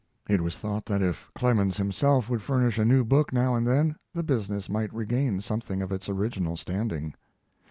It was thought that if Clemens himself would furnish a new book now and then the business might regain something of its original standing.